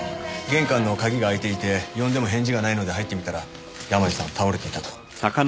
玄関の鍵が開いていて呼んでも返事がないので入ってみたら山路さんが倒れていたと。